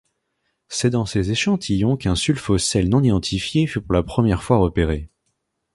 C'est dans ces échantillons qu'un sulfosel non identifié fut pour la première fois repéré.